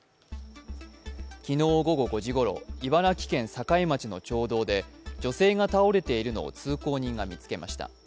昨日午後５時ごろ、茨城県境町の町道で女性が倒れているのを通行人が見つけました。